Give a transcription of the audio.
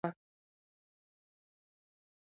نه یې زده کړل له تاریخ څخه پندونه